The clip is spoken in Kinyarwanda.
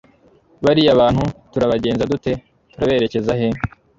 bariya bantu turabagenza dute? turaberekeza he